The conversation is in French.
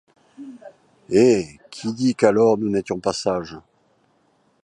Eh! qui dit qu’alors nous n’étions pas sages !